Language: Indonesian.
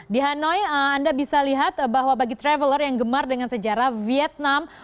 di hanoi anda bisa lihat bahwa bagi traveler yang gemar dengan sejarah vietnam